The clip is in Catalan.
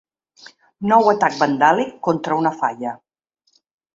Nou atac vandàlic contra una falla.